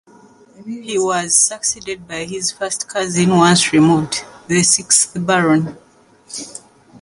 He was succeeded by his first cousin once removed, the sixth Baron.